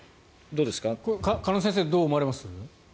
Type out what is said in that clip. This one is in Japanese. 鹿野先生どう思われます？